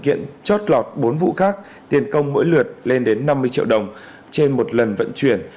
kiện chót lọt bốn vụ khác tiền công mỗi lượt lên đến năm mươi triệu đồng trên một lần vận chuyển